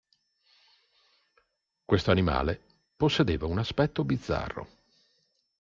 Questo animale possedeva un aspetto bizzarro.